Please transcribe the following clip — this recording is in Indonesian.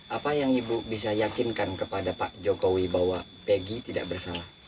apa yang ibu bisa yakinkan kepada pak jokowi bahwa pg tidak bersalah